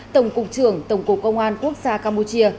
tổng cục trưởng tổng cục công an quốc gia campuchia